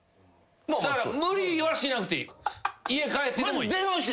だから無理はしなくていい。